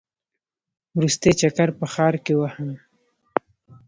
وروستی چکر په ښار کې وهم.